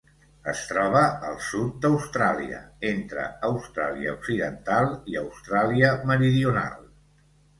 Es troba al sud d'Austràlia: entre Austràlia Occidental i Austràlia Meridional.